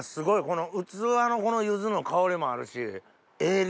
この器のこのゆずの香りもあるしええ